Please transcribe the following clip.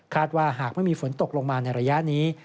ว่าหากไม่มีฝนตกลงมาในระยะนี้